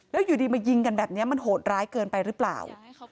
แล้วอยู่ดีมายิงกันแบบนี้มันโหดร้ายเกินไปหรือเปล่า